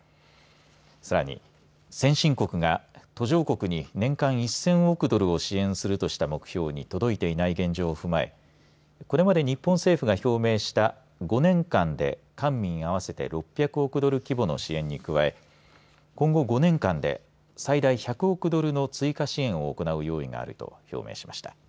さらに先進国が途上国に年間１０００億ドルを支援するとした目標に届いていない現状を踏まえこれまで日本政府が表明した５年間で官民、合わせて６００億ドル規模の支援に加え今後５年間で最大１００億ドルの追加支援を行う用意があると表明しました。